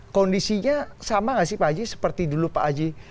kondisinya sama nggak sih pak haji seperti dulu pak haji